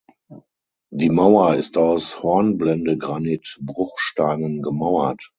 Die Mauer ist aus Hornblendegranit-Bruchsteinen gemauert.